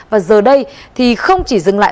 và giờ đây thì không chỉ dừng lại